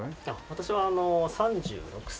私は３６歳。